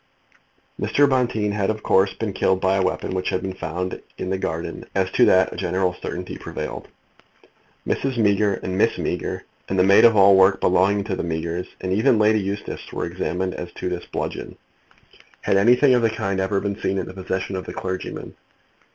Mr. Bonteen had, of course, been killed by the weapon which had been found in the garden. As to that a general certainty prevailed. Mrs. Meager and Miss Meager, and the maid of all work belonging to the Meagers, and even Lady Eustace, were examined as to this bludgeon. Had anything of the kind ever been seen in the possession of the clergyman?